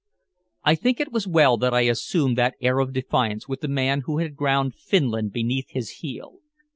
I think it was well that I assumed that air of defiance with the man who had ground Finland beneath his heel.